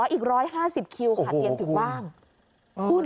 อีก๑๕๐คิวค่ะเตียงถึงว่าง